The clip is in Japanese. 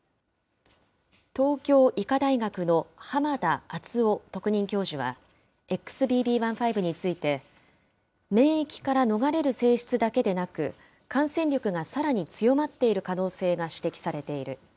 東京医科大学の濱田篤郎特任教授は、ＸＢＢ．１．５について、免疫から逃れる性質だけでなく、感染力がさらに強まっている可能性が指摘されている。